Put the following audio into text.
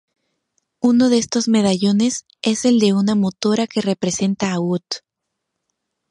Uno de estos medallones es el de una motora que representa a Wood.